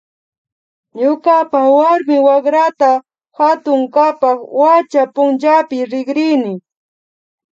Ñukapa warmi wakrata katunkapak wacha punchapi rikrini